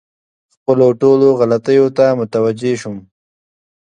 خپلو ټولو غلطیو ته متوجه شوم.